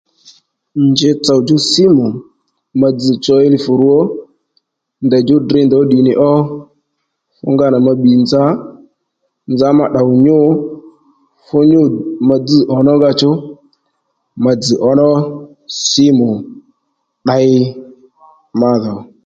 Njitsò djú símù ma dzz̀ élìfù rwo ndèy djú dri ndèy djú ddì nì ó fu ngá ddù ma bbì nza nza ó ma tdòw nyû fú nyû ma dzẑ ǒmá nga chú ma dzz̀ ǒnó símù tdey ma dhò